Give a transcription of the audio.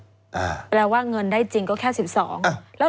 เวลาว่าเงินได้จริงก็แค่๑๒ล้าน